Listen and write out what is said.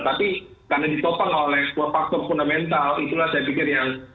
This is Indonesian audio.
tapi karena ditopang oleh faktor fundamental itulah saya pikir yang